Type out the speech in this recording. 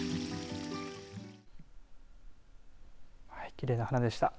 きれいな花でした。